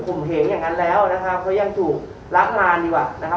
ผมเหงอย่างนั้นแล้วนะครับเขายังถูกรับงานดีกว่านะครับ